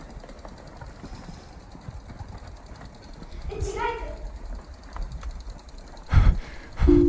うちが行く。